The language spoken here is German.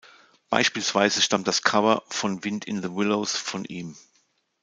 Beispielsweise stammt das Cover von "Wind in the Willows" von ihm.